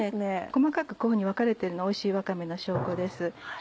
細かくこういうふうに分かれてるのおいしいわかめの証拠です。